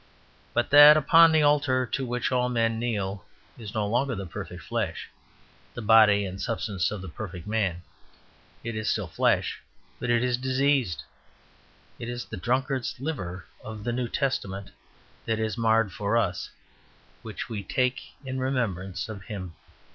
But that upon the altar to which all men kneel is no longer the perfect flesh, the body and substance of the perfect man; it is still flesh, but it is diseased. It is the drunkard's liver of the New Testament that is marred for us, which we take in remembrance of him.